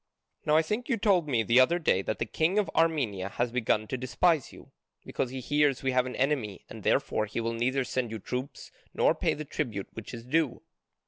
Now I think you told me the other day that the king of Armenia has begun to despise you, because he hears we have an enemy, and therefore he will neither send you troops nor pay the tribute which is due."